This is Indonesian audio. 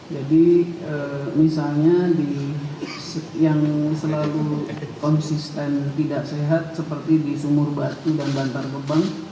jadi misalnya yang selalu konsisten tidak sehat seperti di sumur batu dan bantar bebang